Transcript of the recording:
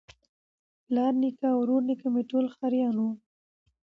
پلار نیکه او ورنیکه مي ټول ښکاریان وه